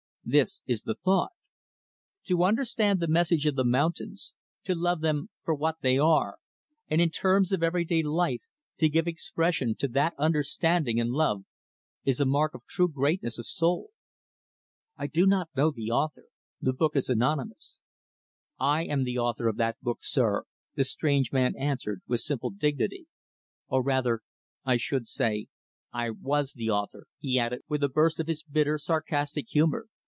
This is the thought: 'To understand the message of the mountains; to love them for what they are; and, in terms of every day life, to give expression to that understanding and love is a mark of true greatness of soul.' I do not know the author. The book is anonymous." "I am the author of that book, sir," the strange man answered with simple dignity, " or, rather, I should say, I was the author," he added, with a burst of his bitter, sarcastic humor.